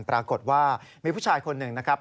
ปรากฏว่ามีผู้ชายคนหนึ่งนะครับ